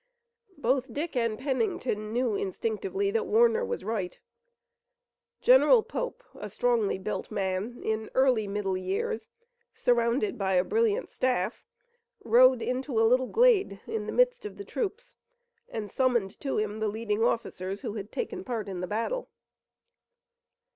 Both Dick and Pennington knew instinctively that Warner was right. General Pope, a strongly built man in early middle years, surrounded by a brilliant staff, rode into a little glade in the midst of the troops, and summoned to him the leading officers who had taken part in the battle.